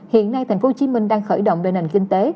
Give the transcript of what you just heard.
hiện nay tp hcm đang khởi động về nền kinh tế